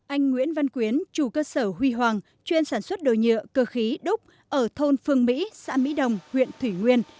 anh nguyễn văn quyến chủ cơ sở huy hoàng chuyên sản xuất đồ nhựa cơ khí đúc ở thôn phương mỹ xã mỹ đồng huyện thủy nguyên